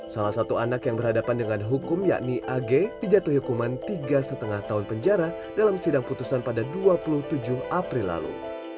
salah satu anak yang berhadapan dengan hukum yakni ag dijatuhi hukuman tiga lima tahun penjara dalam sidang putusan pada dua puluh tujuh april lalu